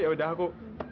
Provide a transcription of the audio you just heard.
ya udah aku